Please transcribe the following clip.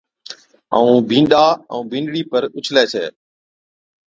ائُون بِينڏا ائُون بِينڏڙِي پر اُڇلي ڇَي